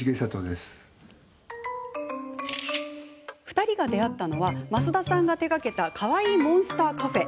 ２人が出会ったのは増田さんが手がけたカワイイモンスターカフェ。